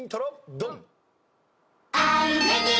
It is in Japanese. ドン！